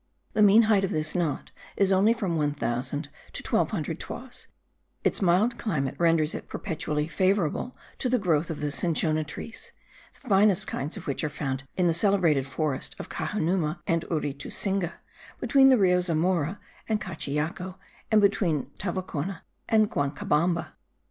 The mean height of this knot is only from 1000 to 1200 toises: its mild climate renders it peculiarly favourable to the growth of the cinchona trees, the finest kinds of which are found in the celebrated forest of Caxanuma and Uritusinga, between the Rio Zamora and the Cachiyacu, and between Tavacona and Guancabamba.